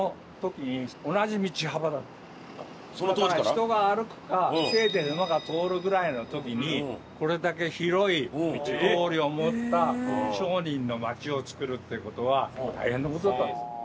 人が歩くかせいぜい馬が通るぐらいの時にこれだけ広い通りを持った商人の街を作るって事は大変な事だったんです。